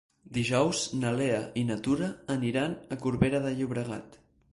Dijous na Lea i na Tura aniran a Corbera de Llobregat.